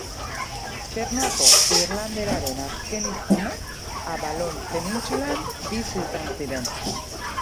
Ternuako irlanderaren azken hiztunak Avalon penintsulan bizi izan ziren.